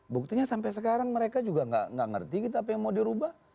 buktinya sampai sekarang mereka juga nggak ngerti kita apa yang mau dirubah